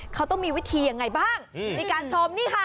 เขาต้องมีวิธียังไงบ้างในการชมนี่ค่ะ